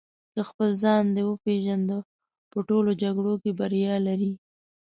که خپل ځان دې وپېژنده په ټولو جګړو کې بریا لرې.